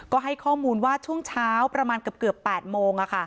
ก็ให้ข้อมูลว่าช่วงเช้าประมาณเกือบ๘โมง